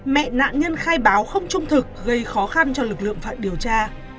mẹ nạn nhân khai báo không trung thực gây khó khăn cho lực lượng phản điều tra